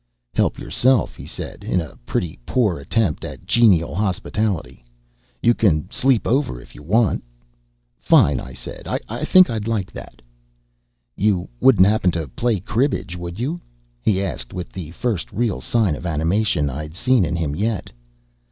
"Help yourself," he said, in a pretty poor attempt at genial hospitality. "You can sleep over, if you want." "Fine," I said. "I think I'd like that." "You wouldn't happen to play cribbage, would you?" he asked, with the first real sign of animation I'd seen in him yet.